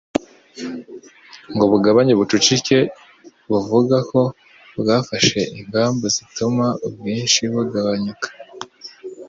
ngo bugabanye ubucucike ,buvuga ko bwafashe ingamba zituma ubwinshi bugabanyuka